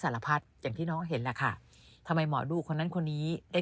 สารพัดอย่างที่น้องเห็นแหละค่ะทำไมหมอดูคนนั้นคนนี้ได้